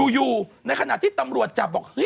อยู่ในขณะที่ตำรวจจับบอก